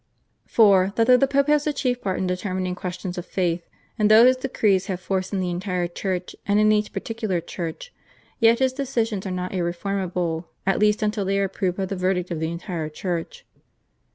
(4) That though the Pope has the chief part in determining questions of faith, and though his decrees have force in the entire Church and in each particular church, yet his decisions are not irreformable, at least until they are approved by the verdict of the entire Church.